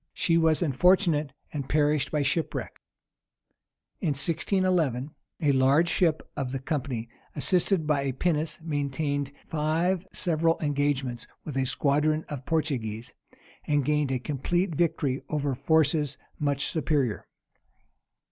She was unfortunate, and perished by shipwreck. In 1611, a large ship of the company, assisted by a pinnace, maintained five several engagements with a squadron of Portuguese, and gained a complete victory over forces much superior.